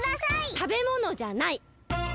たべものじゃない。